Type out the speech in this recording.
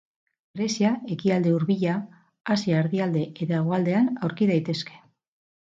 Grezia, Ekialde Hurbila, Asia erdialde eta hegoaldean aurki daitezke.